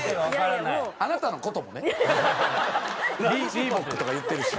リーボックとか言ってるし。